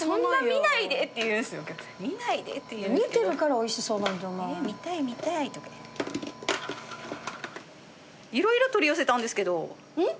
見ないでって言うんですけど見てるからおいしそうなんじゃない「え見たい見たい」とか言っていろいろ取り寄せたんですけどん？